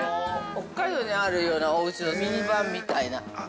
◆北海道にあるようなおうちのミニ版みたいな。